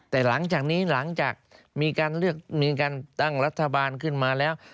แต่หลังจากนี้หลังจากมีการเลือกมีการตั้งรัฐบาลขึ้นมาแล้ว